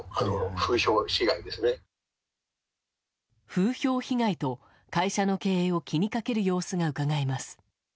風評被害と会社の経営を気にかける様子がうかがえます。